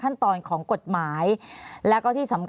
ภารกิจสรรค์ภารกิจสรรค์